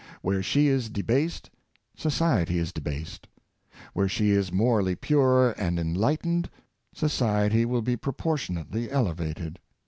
Where she is de based, society is debased; where she is morally pure and enlightened, society will be proportionately ele vated.